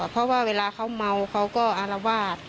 เพราะว่าเวลาเขาเมาเขาก็อารวาส